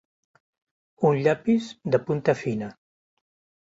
Un llapis de punta fina.